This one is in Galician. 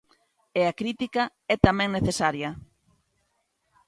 E a crítica é tamén necesaria.